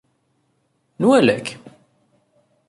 Nwala-k.